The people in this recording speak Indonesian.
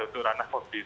untuk ranah kompis